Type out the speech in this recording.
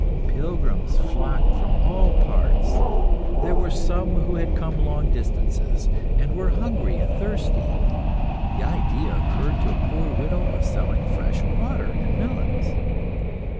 Pilgrims flocked from all parts. There were some who had come long distances, and were hungry and thirsty. The idea occurred to a poor widow of selling fresh water and melons.